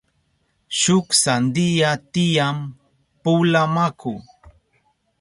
Shuk sandiya tiyan pula maku.